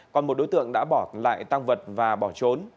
còn một đối tượng đã bỏ lại tăng vật và bỏ trốn